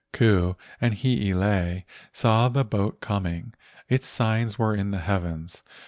Ku and Hiilei saw the boat coming. Its signs were in the heavens.